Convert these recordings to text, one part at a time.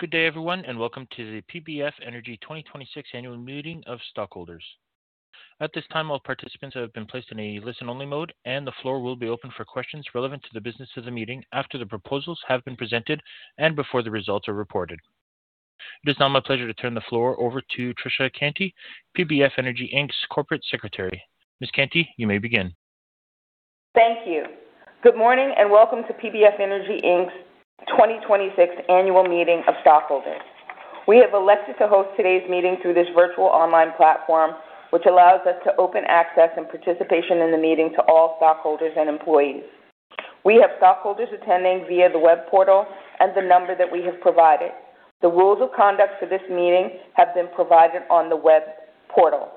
Good day everyone, welcome to the PBF Energy 2026 Annual Meeting of Stockholders. At this time, all participants have been placed in a listen-only mode, and the floor will be open for questions relevant to the business of the meeting after the proposals have been presented and before the results are reported. It is now my pleasure to turn the floor over to Trecia Canty, PBF Energy Inc.'s Corporate Secretary. Ms. Canty, you may begin. Thank you. Good morning, and welcome to PBF Energy Inc.'s 2026 Annual Meeting of Stockholders. We have elected to host today's meeting through this virtual online platform, which allows us to open access and participation in the meeting to all stockholders and employees. We have stockholders attending via the web portal and the number that we have provided. The rules of conduct for this meeting have been provided on the web portal.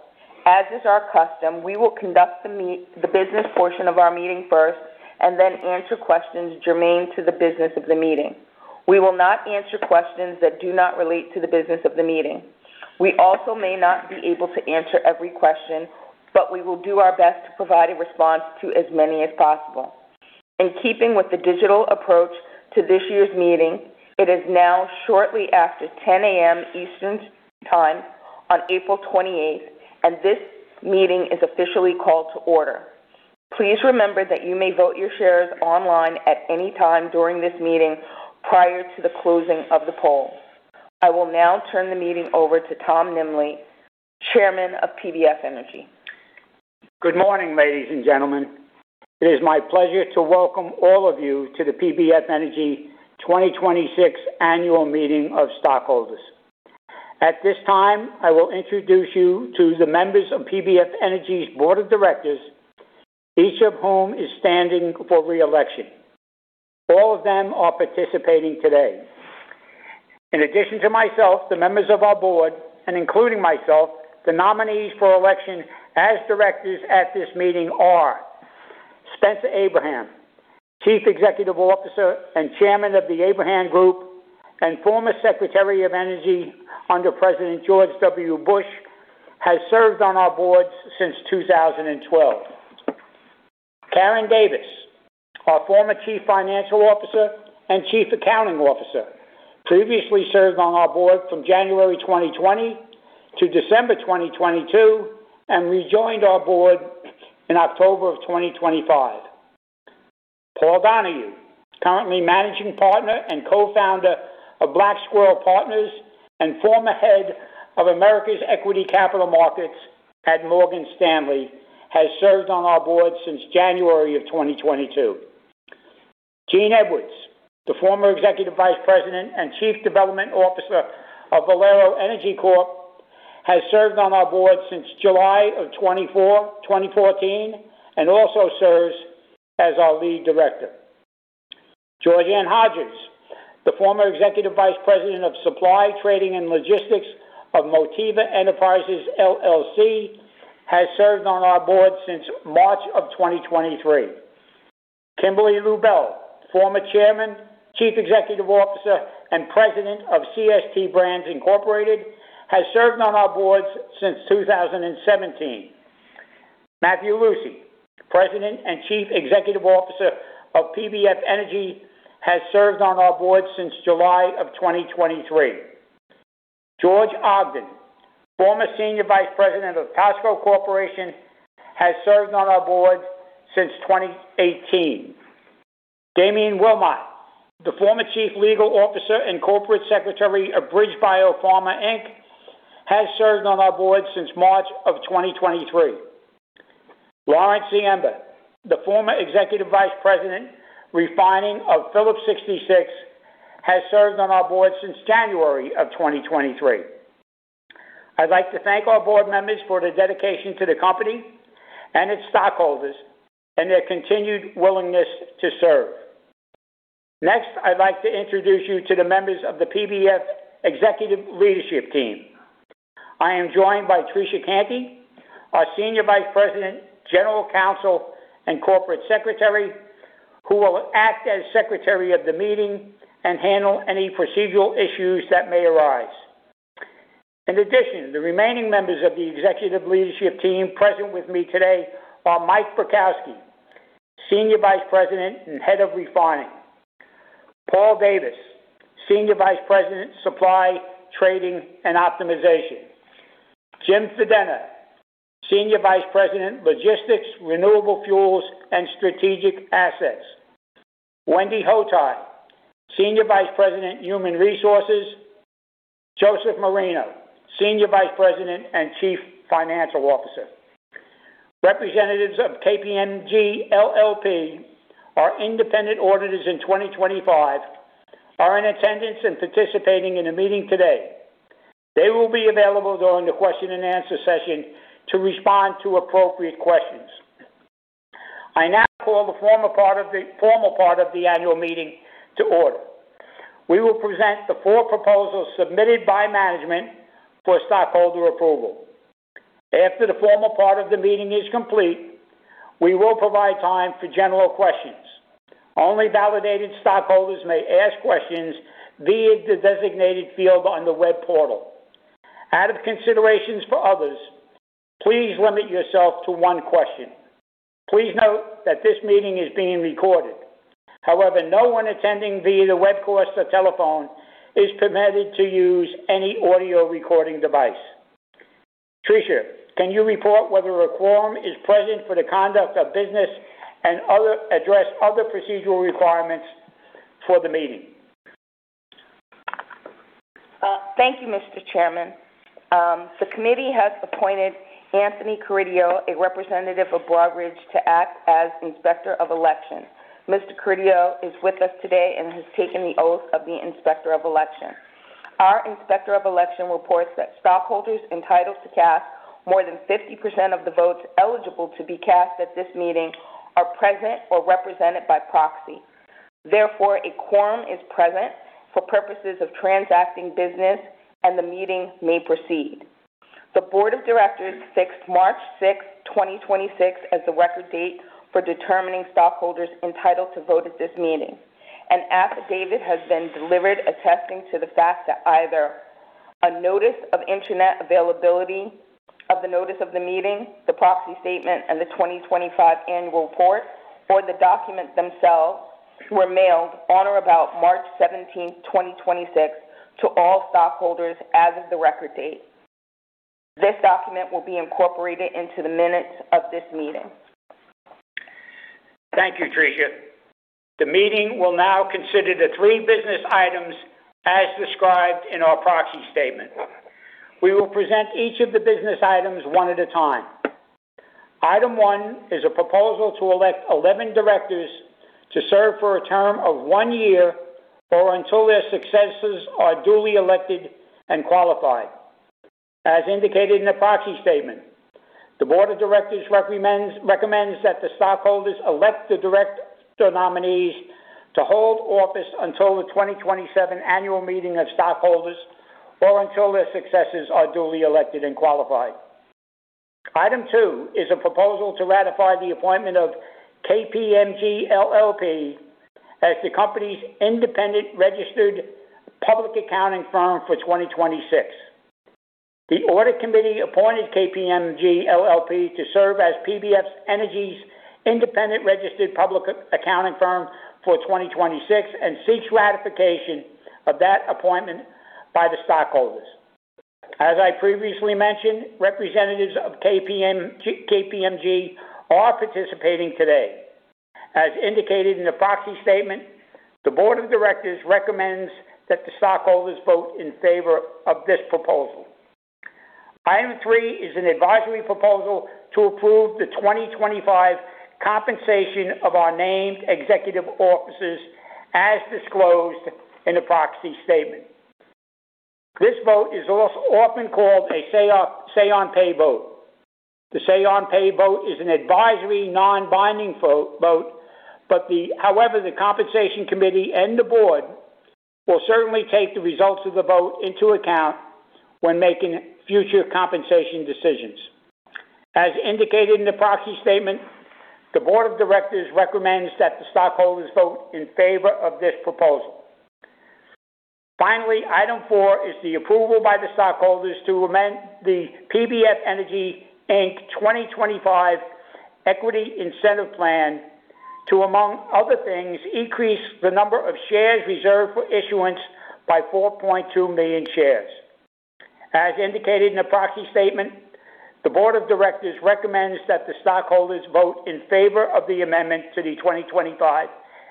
As is our custom, we will conduct the business portion of our meeting first, and then answer questions germane to the business of the meeting. We will not answer questions that do not relate to the business of the meeting. We also may not be able to answer every question, but we will do our best to provide a response to as many as possible. In keeping with the digital approach to this year's meeting, it is now shortly after 10:00 A.M. Eastern Time on April 28, and this meeting is officially called to order. Please remember that you may vote your shares online at any time during this meeting prior to the closing of the poll. I will now turn the meeting over to Thomas Nimbley, Chairman of PBF Energy. Good morning, ladies and gentlemen. It is my pleasure to welcome all of you to the PBF Energy 2026 Annual Meeting of Stockholders. At this time, I will introduce you to the members of PBF Energy's Board of Directors, each of whom is standing for re-election. All of them are participating today. In addition to myself, the members of our board, including myself, the nominees for election as directors at this meeting are Spencer Abraham, Chief Executive Officer and Chairman of The Abraham Group and former Secretary of Energy under President George W. Bush, has served on our board since 2012. Karen Davis, our former Chief Financial Officer and Chief Accounting Officer, previously served on our board from January 2020 to December 2022 and rejoined our board in October of 2025. Paul Donahue, currently Managing Partner and Co-founder of Black Squirrel Partners and former head of America's Equity Capital Markets at Morgan Stanley, has served on our board since January of 2022. Gene Edwards, the former Executive Vice President and Chief Development Officer of Valero Energy Corp, has served on our board since July of 2014 and also serves as our Lead Director. Georganne Hodges, the former Executive Vice President of Supply, Trading, and Logistics of Motiva Enterprises LLC, has served on our board since March of 2023. Kim Lubel, former Chairman, Chief Executive Officer, and President of CST Brands Incorporated, has served on our board since 2017. Matthew C. Lucey, President and Chief Executive Officer of PBF Energy, has served on our board since July of 2023. George Ogden, former Senior Vice President of Costco Corporation, has served on our board since 2018. Damian Wilmot, the former Chief Legal Officer and Corporate Secretary of BridgeBio Pharma Inc, has served on our board since March of 2023. Lawrence M. Ziemba, the former Executive Vice President, Refining of Phillips 66, has served on our board since January of 2023. I'd like to thank our board members for their dedication to the company and its stockholders and their continued willingness to serve. Next, I'd like to introduce you to the members of the PBF Executive Leadership Team. I am joined by Trecia Canty, our Senior Vice President, General Counsel, and Corporate Secretary, who will act as Secretary of the meeting and handle any procedural issues that may arise. In addition, the remaining members of the Executive Leadership Team present with me today are Michael Bukowski, Senior Vice President and Head of Refining. Paul Davis, Senior Vice President, Supply, Trading, and Optimization. Jim Fedena, Senior Vice President, Logistics, Renewable Fuels, and Strategic Assets. Wendy Ho-Tai, Senior Vice President, Human Resources. Joseph Marino, Senior Vice President and Chief Financial Officer. Representatives of KPMG LLP, our independent auditors in 2025, are in attendance and participating in the meeting today. They will be available during the question and answer session to respond to appropriate questions. I now call the formal part of the annual meeting to order. We will present the four proposals submitted by management for stockholder approval. After the formal part of the meeting is complete, we will provide time for general questions. Only validated stockholders may ask questions via the designated field on the web portal. Out of consideration for others, please limit yourself to one question. Please note that this meeting is being recorded. No one attending via the webcast or telephone is permitted to use any audio recording device. Trecia, can you report whether a quorum is present for the conduct of business and address other procedural requirements for the meeting? Thank you, Mr. Chairman. The committee has appointed Tony Carideo, a representative of Broadridge, to act as Inspector of Election. Mr. Carideo is with us today and has taken the oath of the Inspector of Election. Our Inspector of Election reports that stockholders entitled to cast more than 50% of the votes eligible to be cast at this meeting are present or represented by proxy. A quorum is present for purposes of transacting business and the meeting may proceed. The Board of Directors fixed March 6, 2026 as the record date for determining stockholders entitled to vote at this meeting. An affidavit has been delivered attesting to the fact that either a notice of internet availability of the notice of the meeting, the proxy statement and the 2025 annual report, or the documents themselves were mailed on or about March 17th, 2026 to all stockholders as of the record date. This document will be incorporated into the minutes of this meeting. Thank you, Trecia. The meeting will now consider the 3 business items as described in our proxy statement. We will present each of the business items 1 at a time. Item 1 is a proposal to elect 11 directors to serve for a term of one year or until their successors are duly elected and qualified. As indicated in the proxy statement, the board of directors recommends that the stockholders elect the director nominees to hold office until the 2027 annual meeting of stockholders or until their successors are duly elected and qualified. Item 2 is a proposal to ratify the appointment of KPMG LLP as the company's independent registered public accounting firm for 2026. The audit committee appointed KPMG LLP to serve as PBF Energy's independent registered public accounting firm for 2026 and seeks ratification of that appointment by the stockholders. As I previously mentioned, representatives of KPMG are participating today. As indicated in the proxy statement, the board of directors recommends that the stockholders vote in favor of this proposal. Item 3 is an advisory proposal to approve the 2025 compensation of our named executive officers as disclosed in the proxy statement. This vote is often called a say on pay vote. The say on pay vote is an advisory non-binding vote, but however, the compensation committee and the board will certainly take the results of the vote into account when making future compensation decisions. As indicated in the proxy statement, the board of directors recommends that the stockholders vote in favor of this proposal. Finally, item 4 is the approval by the stockholders to amend the PBF Energy Inc. 2025 Equity Incentive Plan to, among other things, increase the number of shares reserved for issuance by 4.2 million shares. As indicated in the proxy statement, the Board of Directors recommends that the stockholders vote in favor of the amendment to the 2025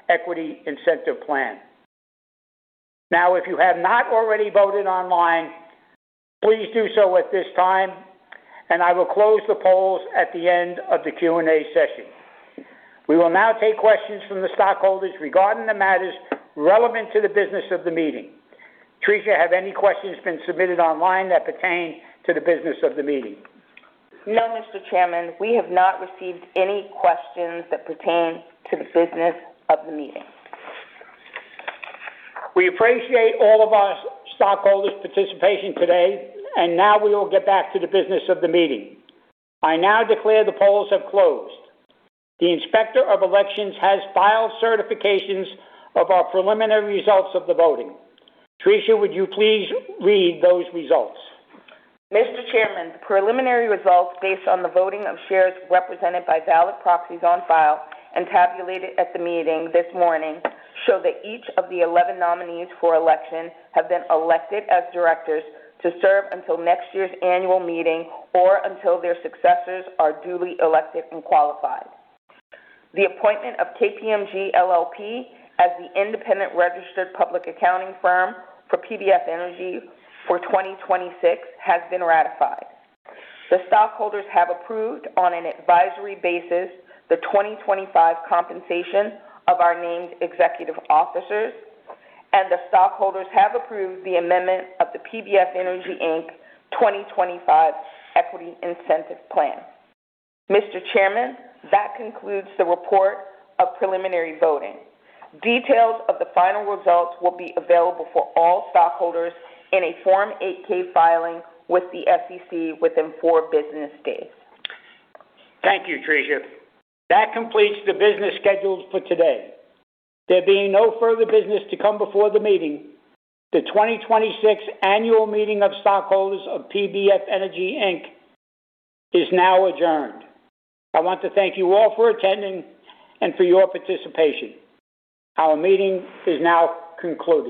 Equity Incentive Plan. Now, if you have not already voted online, please do so at this time, and I will close the polls at the end of the Q&A session. We will now take questions from the stockholders regarding the matters relevant to the business of the meeting. Trecia, have any questions been submitted online that pertain to the business of the meeting? No, Mr. Chairman. We have not received any questions that pertain to the business of the meeting. We appreciate all of our stockholders' participation today. Now we will get back to the business of the meeting. I now declare the polls have closed. The Inspector of Election has filed certifications of our preliminary results of the voting. Trecia Canty, would you please read those results? Mr. Chairman, the preliminary results based on the voting of shares represented by valid proxies on file and tabulated at the meeting this morning show that each of the 11 nominees for election have been elected as directors to serve until next year's annual meeting or until their successors are duly elected and qualified. The appointment of KPMG LLP as the independent registered public accounting firm for PBF Energy for 2026 has been ratified. The stockholders have approved on an advisory basis the 2025 compensation of our named executive officers, and the stockholders have approved the amendment of the PBF Energy Inc. 2025 Equity Incentive Plan. Mr. Chairman, that concludes the report of preliminary voting. Details of the final results will be available for all stockholders in a Form 8-K filing with the SEC within 4 business days. Thank you, Trecia. That completes the business schedules for today. There being no further business to come before the meeting, the 2026 annual meeting of stockholders of PBF Energy Inc. is now adjourned. I want to thank you all for attending and for your participation. Our meeting is now concluded.